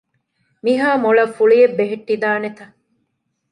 މިހާ މޮޅަށް ފުޅިއެއް ބެހެއްޓިދާނެތަ؟